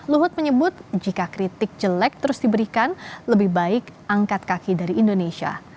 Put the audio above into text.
luhut menyebut jika kritik jelek terus diberikan lebih baik angkat kaki dari indonesia